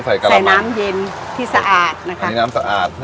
ใส่น้ำเย็นที่สะอาดนะค่ะ